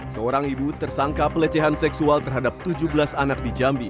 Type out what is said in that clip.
seorang ibu tersangka pelecehan seksual terhadap tujuh belas anak di jambi